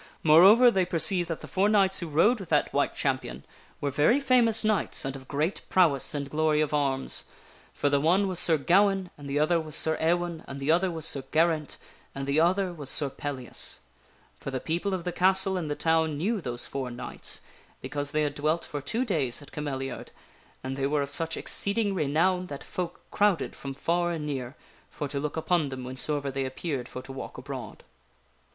Moreover, they perceived that the four knights who rode with that White Champion were very famous knights and of great prowess and glory of arms. For the one was Sir Gawaine, and the other was Sir Ewaine, and the other was Sir Geraint, and the other was Sir Pellias. For the people of the castle and the town knew those four knights, because they had dwelt for two days at Cameliafd, and they were of such exceeding renown that folk crowded from far and near for to look upon them whensoever they appeared for to walk abroad.